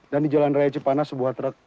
dan di jalan raya cipanas sebuah truk